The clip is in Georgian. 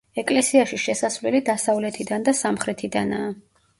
ეკლესიაში შესასვლელი დასავლეთიდან და სამხრეთიდანაა.